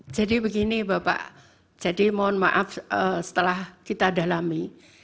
jadi begini bapak jadi mohon maaf setelah kita dalami